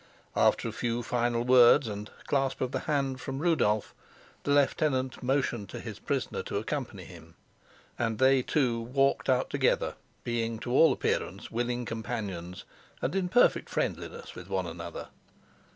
After a few final words and clasp of the hand from Rudolf, the lieutenant motioned to his prisoner to accompany him, and they two walked out together, being to all appearance willing companions and in perfect friendliness with one another.